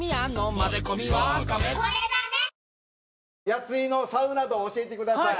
やついのサウナ道教えてください。